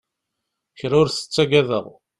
Kra ur tettagadeɣ.